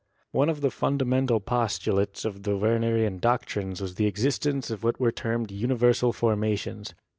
One of the fundamental postulates of the Wernerian doctrines was the existence of what were termed universal formations.